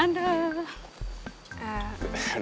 eh udah lama gak